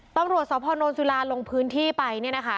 ต้องรวชสอบพรณสุราลงพื้นที่ไป